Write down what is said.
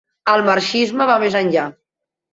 El marxisme va més enllà.